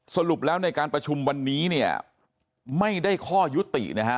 สรุปแล้วในการประชุมวันนี้เนี่ยไม่ได้ข้อยุตินะฮะ